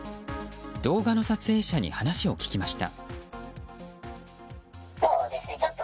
動画の撮影者に話を聞きました。